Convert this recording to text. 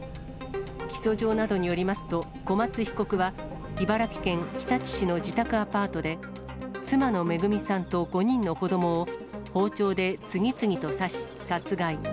起訴状などによりますと、小松被告は、茨城県日立市の自宅アパートで、妻の恵さんと５人の子どもを包丁で次々と刺し殺害。